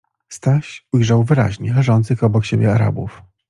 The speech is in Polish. Staś ujrzał wyraźnie leżących obok siebie Arabów.